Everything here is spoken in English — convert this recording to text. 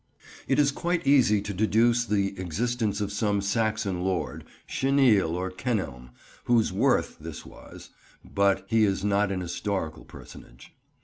It is quite easy to deduce the existence of some Saxon lord, Chenil or Kenelm, whose weorth this was, but he is not an historical personage.